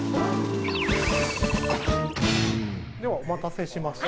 お待たせしました。